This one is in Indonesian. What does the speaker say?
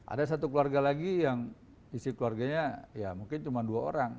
ada satu keluarga lagi yang isi keluarganya ya mungkin cuma dua orang